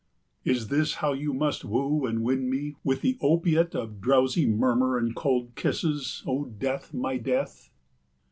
Is this how you must woo and win me with the opiate of drowsy murmur and cold kisses, O Death, my Death?